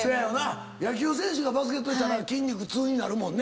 野球選手がバスケットしたら筋肉痛になるもんね。